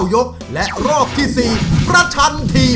โดยการแข่งขาวของทีมเด็กเสียงดีจำนวนสองทีม